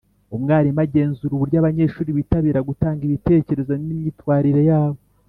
Umwalimu agenzura uburyo abanyeshuri bitabira gutanga ibitekerezo n’imyitwarire yabo